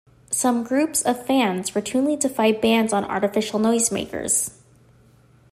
Some groups of fans routinely defy bans on artificial noisemakers.